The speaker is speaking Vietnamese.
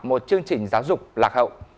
một chương trình giáo dục lạc hậu